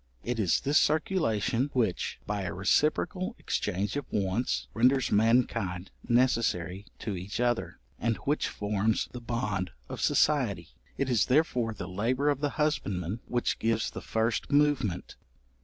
It is this circulation, which, by a reciprocal exchange of wants, renders mankind necessary to each other, and which forms the bond of society: it is therefore the labour of the husbandman which gives the first movement.